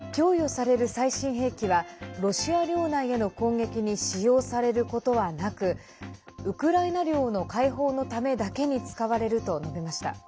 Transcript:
こうした中、ウクライナのレズニコフ国防相は供与される最新兵器はロシア領内への攻撃に使用されることはなくウクライナ領の解放のためだけに使われると述べました。